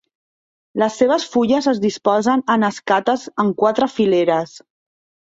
Les seves fulles es disposen en escates en quatre fileres.